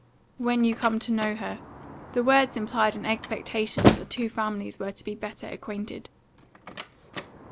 When you come to know her. The words implied an expectation that the two families were to be better acquainted.